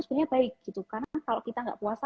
sebenarnya baik karena kalau kita enggak puasa